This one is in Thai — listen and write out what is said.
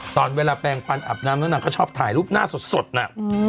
ตอนเวลาแปลงฟันอาบน้ำแล้วนางก็ชอบถ่ายรูปหน้าสดน่ะ